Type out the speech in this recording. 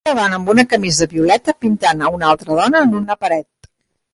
Una dona amb una camisa violeta pintant a una altra dona en una paret